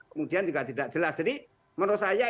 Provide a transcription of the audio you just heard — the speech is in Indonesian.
kemudian juga tidak jelas jadi menurut saya